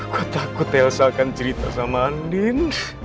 gua takut elsa akan cerita sama andin